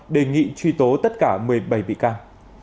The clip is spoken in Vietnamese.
đề nghị truy tố tất cả một mươi bảy bị can